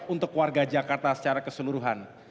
untuk warga jakarta secara keseluruhan